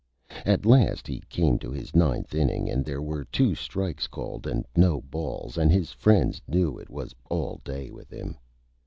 At last he came to his Ninth Inning and there were Two Strikes called and no Balls, and his Friends knew it was All Day with him.